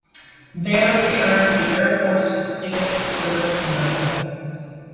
There he earned the Air Force Distinguished Service Medal.